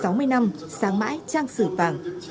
sáu mươi năm sáng mãi trang sử vàng